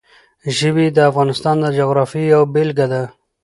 ژبې د افغانستان د جغرافیې یوه بېلګه ده.